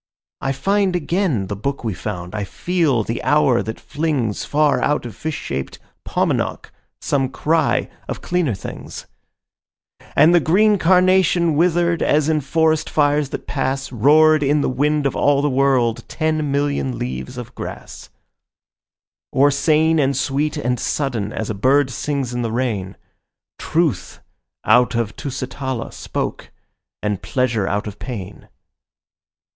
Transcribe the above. I find again the book we found, I feel the hour that flings Far out of fish shaped Paumanok some cry of cleaner things; And the Green Carnation withered, as in forest fires that pass, Roared in the wind of all the world ten million leaves of grass; Or sane and sweet and sudden as a bird sings in the rain— Truth out of Tusitala spoke and pleasure out of pain.